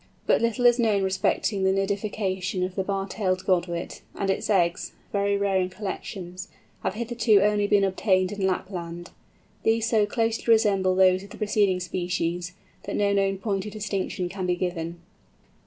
But little is known respecting the nidification of the Bar tailed Godwit, and its eggs, very rare in collections, have hitherto only been obtained in Lapland. These so closely resemble those of the preceding species, that no known point of distinction can be given.